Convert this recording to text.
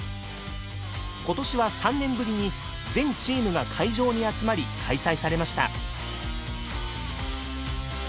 今年は３年ぶりに全チームが会場に集まり開催されました。